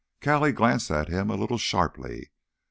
Callie glanced at him a little sharply.